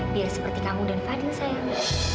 biar seperti kamu dan fadil saya